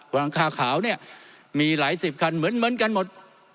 หลังคาขาวเนี่ยมีหลายสิบคันเหมือนเหมือนกันหมด